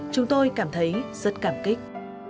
chúng tôi cảm thấy rất cảm kích